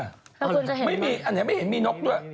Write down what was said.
อันนี้ไม่เห็นมีนกด้วย